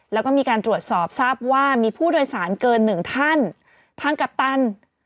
แล้วก็มีการตรวจสอบทราบว่ามีผู้โดยสารเกินหนึ่งท่านทางกัปตัน